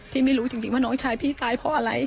ไม่รู้จริงว่าน้องชายพี่ตายเพราะอะไร